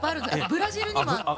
ブラジルにもあって。